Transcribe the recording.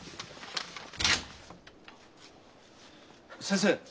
先生！